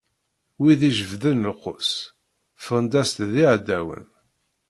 Wid ijebbden lqus ffɣen-as-d d iɛdawen.